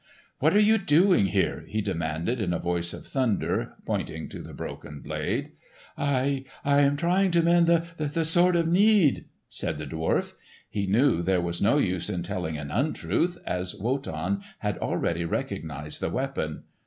"What are you doing here?" he demanded in a voice of thunder, pointing to the broken blade. "I—I am trying to mend the—the Sword of Need," said the dwarf. He knew there was no use in telling an untruth, as Wotan had already recognised the weapon.